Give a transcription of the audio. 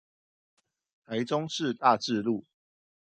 台中市大智路